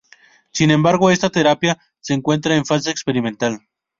Sin embargo esta terapia se encuentra en fase experimental.